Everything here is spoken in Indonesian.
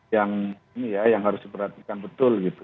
yang ini ya yang harus diperhatikan betul gitu